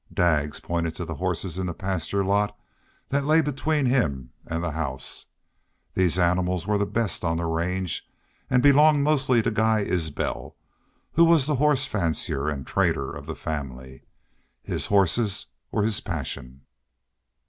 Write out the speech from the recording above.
Daggs pointed to the horses in the pasture lot that lay between him and the house. These animals were the best on the range and belonged mostly to Guy Isbel, who was the horse fancier and trader of the family. His horses were his passion.